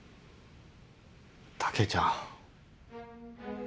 竹ちゃん。